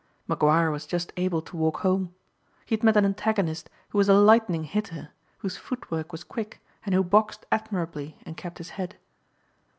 McGuire was just able to walk home. He had met an antagonist who was a lightning hitter, whose footwork was quick and who boxed admirably and kept his head.